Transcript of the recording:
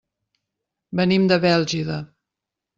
Venim de Bèlgida.